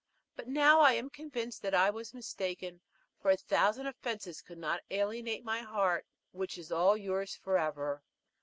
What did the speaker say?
But now I am convinced that I was mistaken, for a thousand offenses could not alienate my heart, which is all yours forever."